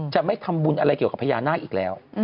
จะไม่ทำบุญอะไรเกี่ยวกับพญานาคอีกแล้ว